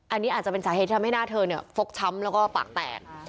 อันนี้อาจจะเป็นสาเหตุที่ทำให้หน้าเธอฟกช้ำแล้วก็ปากแตก